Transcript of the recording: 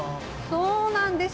そうなんです。